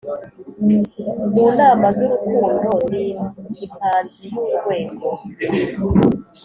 mu nama z’urukundo. ni impanzi y’urwego